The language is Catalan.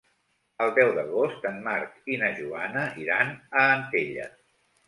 El deu d'agost en Marc i na Joana iran a Antella.